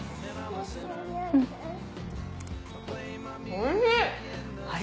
おいしい！